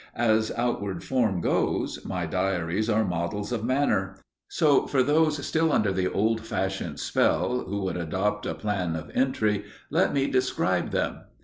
As outward form goes, my diaries are models of manner. So for those still under the old fashioned spell, who would adopt a plan of entry, let me describe them.